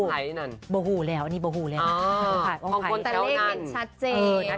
โบราภูแล้วอันนี้โบราภูแล้วของคนแต่เลขเป็นชาเจ